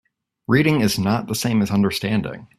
Reading is not the same as understanding.